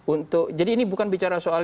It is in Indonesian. untuk jadi ini bukan bicara soal